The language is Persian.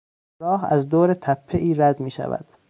راه از دور تپهای رد میشود.